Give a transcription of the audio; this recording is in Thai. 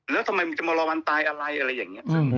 แล้วทำไมมึงจะมารอวันตายอะไรอะไรอย่างนี้